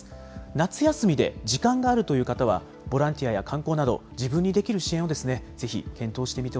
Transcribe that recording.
夏休みで時間があるという方は、ボランティアや観光など、自分にできる支援をですね、ぜひ、検討